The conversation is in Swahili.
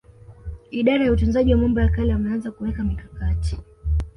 Idara ya Utunzaji wa Mambo ya Kale wameanza kuweka mikakati